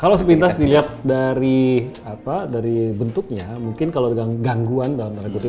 kalau sepintas dilihat dari bentuknya mungkin kalau ada gangguan dalam tanda kutip